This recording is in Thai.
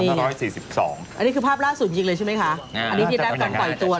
อันนี้ที่ได้ก่อนปล่อยตัวเลยนะคะ